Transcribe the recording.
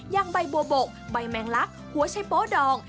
อย่างใบบัวบกใบแมงลักหัวชัยโป๊ดอง